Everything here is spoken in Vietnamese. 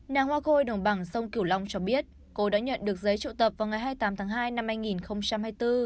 nàng hoa khôi đồng bằng sông cửu long cho biết cô đã nhận được giấy triệu tập vào ngày hai mươi tám tháng hai năm hai nghìn hai mươi bốn